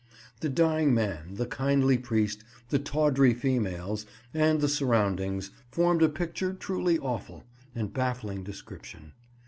The dying man, the kindly priest, the tawdry females, and the surroundings, formed a picture truly awful, and baffling description.